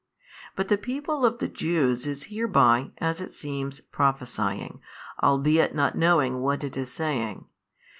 But the people of the Jews is hereby, as it seems, prophesying, albeit not knowing what it is saying.